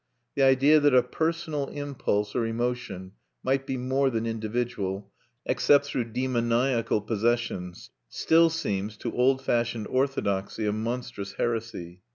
The idea that a personal impulse or emotion might be more than individual, except through demoniacal possession, still seems to old fashioned orthodoxy a monstrous heresy.